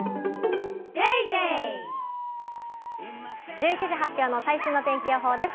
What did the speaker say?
１１時発表の最新の天気予報です。